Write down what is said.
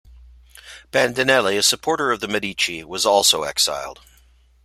Bandinelli, a supporter of the Medici, was also exiled.